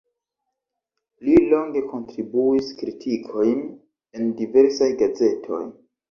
Li longe kontribuis kritikojn en diversaj gazetoj.